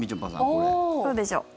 どうでしょう。